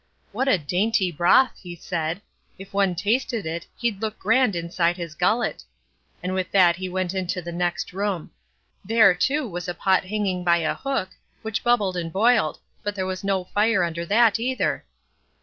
"What a dainty broth," he said; "if one tasted it, he'd look grand inside his gullet"; and with that he went into the next room. There, too, was a pot hanging by a hook, which bubbled and boiled; but there was no fire under that either.